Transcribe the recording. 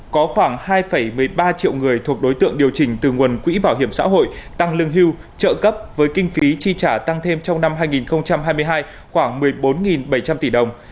có khoảng hai một mươi ba triệu người thuộc đối tượng điều chỉnh từ nguồn quỹ bảo hiểm xã hội tăng lương hưu trợ cấp với kinh phí chi trả tăng thêm trong năm hai nghìn hai mươi hai khoảng một mươi bốn bảy trăm linh tỷ đồng